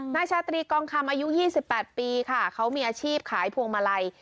นายชาตรีกองคำอายุ๒๘ปีค่ะเขามีอาชีพขายพวงมาลัย